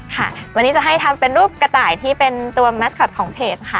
ค่ะวันนี้จะให้ทำเป็นรูปกระต่ายที่เป็นตัวแมทคอตของเพจค่ะ